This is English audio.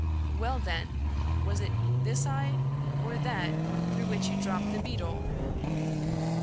" Well, then, was it this eye or that through which you dropped the beetle